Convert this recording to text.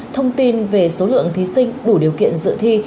thông tin về số lượng thí sinh đủ điều kiện dự thi